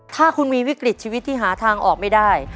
ถ้าคุณมีวิกฤตชีวิตที่หาทางออกไม่ได้